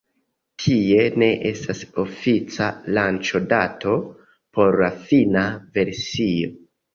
Tie ne estas ofica lanĉo-dato por la fina versio.